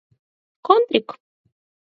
— Контрик!